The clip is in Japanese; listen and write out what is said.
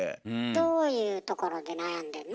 どういうところで悩んでんの？